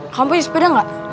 kamu punya sepeda gak